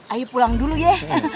ayuh pulang dulu ya